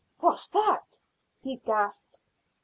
"What's that?" he gasped.